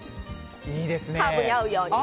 カーブに合うように。